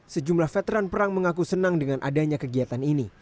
sejumlah veteran perang mengaku senang dengan adanya kegiatan ini